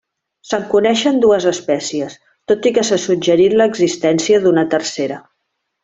Se'n coneixen dues espècies, tot i que s'ha suggerit l'existència d'una tercera.